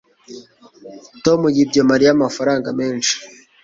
tom yibye mariya amafaranga menshi